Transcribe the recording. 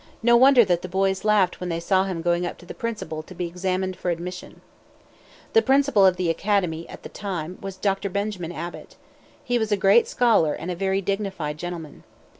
No wonder that the boys laughed when they saw him going up to the principal to be examined for admission. The principal of the academy at that time was Dr. Benjamin Abbott. He was a great scholar and a very dignified gentleman.